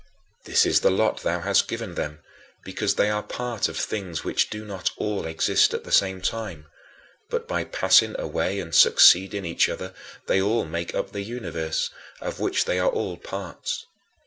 This is the lot thou hast given them, because they are part of things which do not all exist at the same time, but by passing away and succeeding each other they all make up the universe, of which they are all parts.